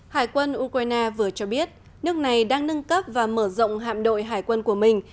hải quân ukraine vừa cho biết nước này đang nâng cấp và mở rộng hạm đội hải quân của mình